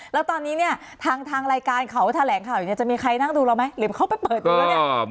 แล้วตอนนี้เนี่ยทางรายการเขาแถลงข่าวอยู่เนี่ยจะมีใครนั่งดูเราไหมหรือเขาไปเปิดดูแล้วเนี่ย